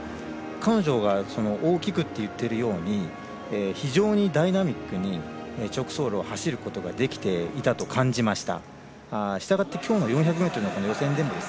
彼女が大きくって言ってるように非常にダイナミックに直送路を走ることができていると感じました。